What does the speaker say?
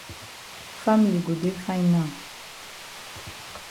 Family go dey fine now.